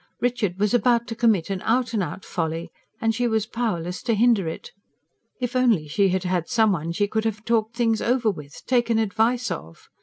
Richard was about to commit an out and out folly, and she was powerless to hinder it. If only she had had some one she could have talked things over with, taken advice of!